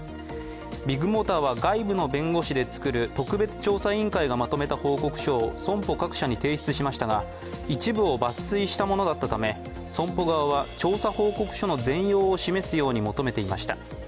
ビッグモーターは外部の弁護士で作る特別調査委員会がまとめた報告書を損保各社に提出しましたが、一部を抜粋したものだったため、損保側は調査報告書の全容を示すよう求めていました。